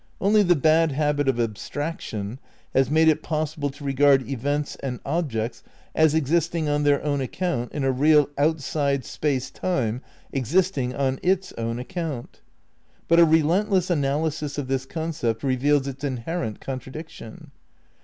Only the bad habit of abstraction has made it possible to re gard events and objects as existing on their own ac count in a real outside Space Time existing on its own account. But a relentless analysis of this concept re veals its inherent contradiction.